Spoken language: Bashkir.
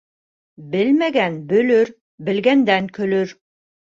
Белмәгән бөлөр, белгәндән көлөр.